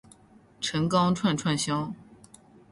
陈钢串串香